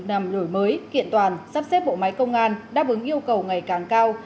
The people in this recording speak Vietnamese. nằm nổi mới kiện toàn sắp xếp bộ máy công an đáp ứng yêu cầu ngày càng cao